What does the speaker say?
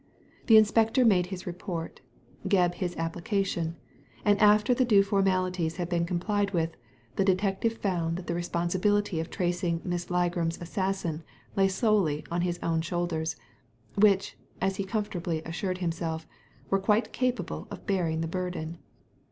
The inspector made his report, Gebb his application, and after the due formalities had been complied with, the detective found that the responsibility of tracing Miss Ligram's assassin lay solely on his own shoulders, which — as he comfortably assured him self — were quite capable of bearing the burden.